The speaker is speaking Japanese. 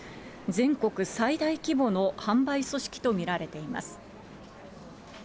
全国最大規模の販売組織と見られています。